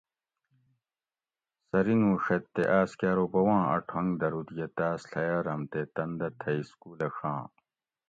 سہ رِنگوڛیت تے آۤس کہ ارو بوباں ا ٹھونگ دروت یہ تاۤس ڷیاۤرم تے تن دہ تھئی سکولہ ڛام